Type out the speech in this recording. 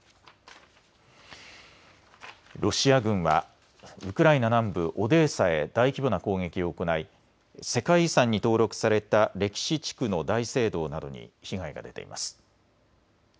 ロシア軍はウクライナ南部オデーサへ大規模な攻撃を行い世界遺産に登録された歴史地区の大聖堂などに被害が出ています。